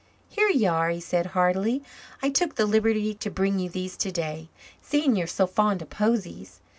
"Here you are," he said heartily. "I took the liberty to bring you these today, seeing you're so fond of posies.